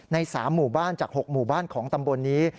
ใน๓หมู่บ้านจาก๖หมู่บ้านของตำบลนี้